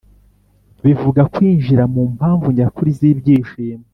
bivuga kwinjira mu mpamvu nyakuri z’ibyishimo